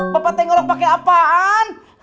bapak tengok orang pake apaan